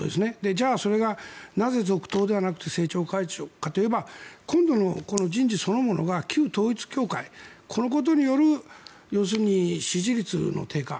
じゃあ、それがなぜ続投ではなく政調会長かといえば今度の人事そのものが旧統一教会このことによる要するに支持率の低下。